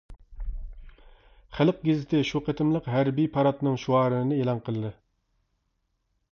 خەلق گېزىتى شۇ قېتىملىق ھەربىي پاراتنىڭ شوئارىنى ئېلان قىلدى.